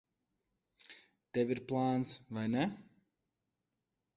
Tev ir plāns, vai ne?